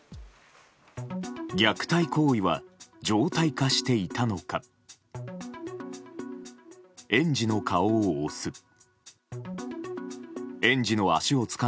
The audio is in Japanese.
虐待行為は常態化していたのか？